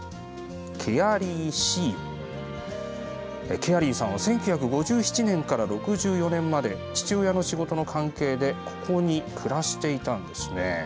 ケアリーさんは１９５７年から６４年まで父親の仕事の関係でここに暮らしていたんですね。